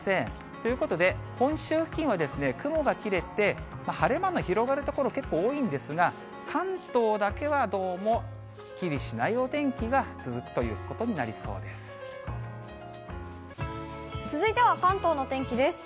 ということで、本州付近は雲が切れて、晴れ間の広がる所、結構多いんですが、関東だけはどうもすっきりしないお天気が続く続いては関東の天気です。